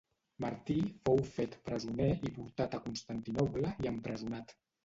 Martí fou fet presoner i portat a Constantinoble i empresonat.